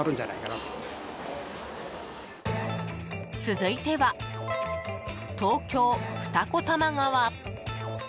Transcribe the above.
続いては、東京・二子玉川。